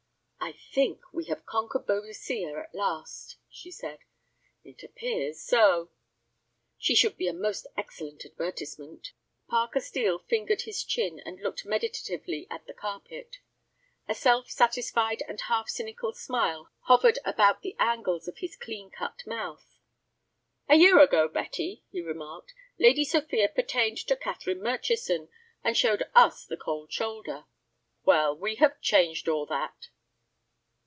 "I think we have conquered Boadicea at last," she said. "It appears so." "She should be a most excellent advertisement." Parker Steel fingered his chin, and looked meditatively at the carpet. A self satisfied and half cynical smile hovered about the angles of his clean cut mouth. "A year ago, Betty," he remarked, "Lady Sophia pertained to Catherine Murchison, and showed us the cold shoulder. Well, we have changed all that."